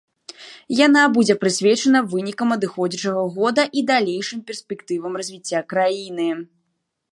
Яна будзе прысвечана вынікам адыходзячага года і далейшым перспектывам развіцця краіны.